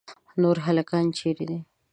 نور هلکان چیرې دي؟